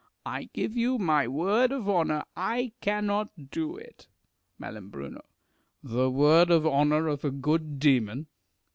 I give you my word of honour — I cannot do it. Mai. The word of honour of a good demon